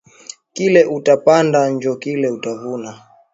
Kile uta panda njo kile uta vuna